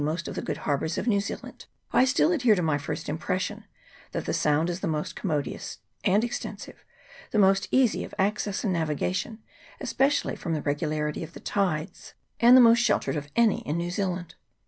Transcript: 35 most of the good harbours of New Zealand, I still adhere to my first impression, that the Sound is the most commodious and extensive, the most easy of access and navigation, especially from the regularity of the tides, and the most sheltered, of any in New Zealand.